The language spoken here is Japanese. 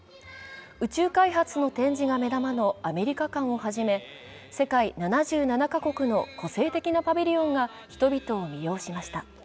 宇宙開発の展示が目玉のアメリカ館をはじめ、世界７７か国の個性的なパビリオンが人々を魅了しました。